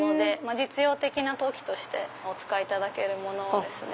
実用的な陶器としてお使いいただけるものですね。